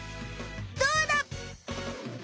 どうだ！